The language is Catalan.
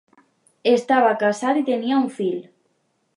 Estava casat i tenia un fill.